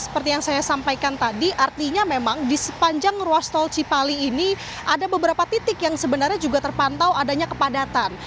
seperti yang saya sampaikan tadi artinya memang di sepanjang ruas tol cipali ini ada beberapa titik yang sebenarnya juga terpantau adanya kepadatan